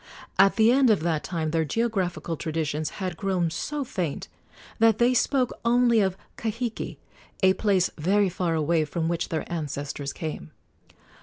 At the end of that time their geographical traditions had grown so faint that they spoke only of Kahiki, a place very far away, from which their ancestors came.